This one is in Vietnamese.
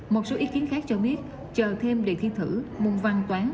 một số ý kiến khác cho biết chờ thêm đề thi thử môn văn toán